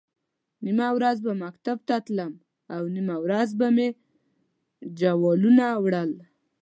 نیمه ورځ به مکتب ته تلم او نیمه ورځ به مې جوالونه وړل.